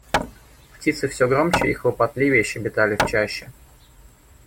Птицы всё громче и хлопотливее щебетали в чаще.